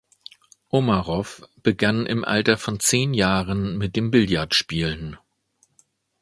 Omarow begann im Alter von zehn Jahren mit dem Billardspielen.